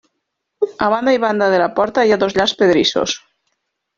A banda i banda de la porta hi ha dos llargs pedrissos.